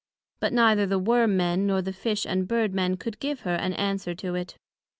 But neither the Worm men, nor the Fish and Bird men, could give her an answer to it.